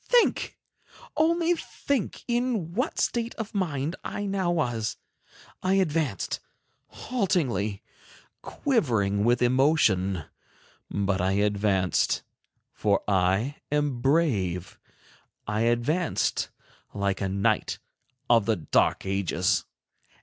Think! only think in what a state of mind I now was! I advanced, haltingly, quivering with emotion, but I advanced, for I am brave—I advanced like a knight of the dark ages.